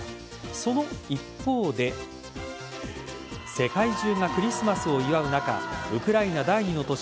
その一方で世界中がクリスマスを祝う中ウクライナ第２の都市